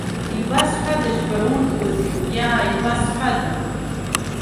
Ибазҳәадашь бара урҭқәа зегьы, иаа, ибазҳәада?!